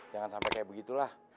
jangan sampai kayak begitulah